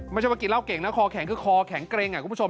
ไม่ใช่ว่ากินเหล้าเก่งนะคอแข็งคือคอแข็งเกร็งคุณผู้ชม